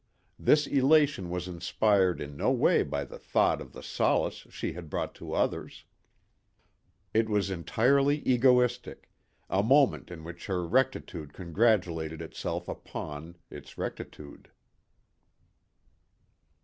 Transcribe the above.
This elation was inspired in no way by the thought of the solace she had brought to others. It was entirely egoistic a moment in which her rectitude congratulated itself upon its rectitude.